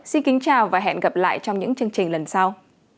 xin kính chào và hẹn gặp lại trong những chương trình lần sau